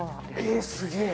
えすげぇ！